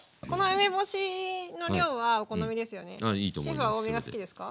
シェフは多めが好きですか？